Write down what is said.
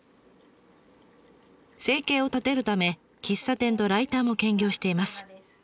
生計を立てるため喫茶店とライターも兼業しています。